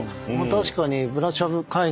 確かに。